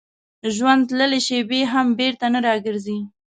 ژوند تللې شېبې هم بېرته نه راګرځي.